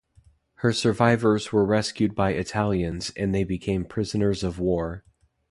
Her survivors were rescued by Italians and they became prisoners of war.